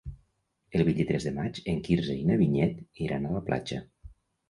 El vint-i-tres de maig en Quirze i na Vinyet iran a la platja.